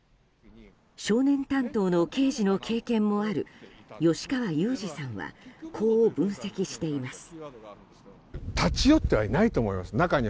少年担当の刑事の経験もある吉川祐二さんはこう分析しています。